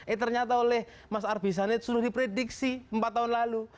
eh ternyata oleh mas arbi sana sudah diprediksi empat tahun lalu